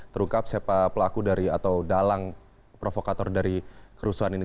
terungkap siapa pelaku dari atau dalang provokator dari kerusuhan ini